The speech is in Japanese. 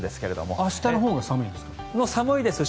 明日のほうが寒いんですか？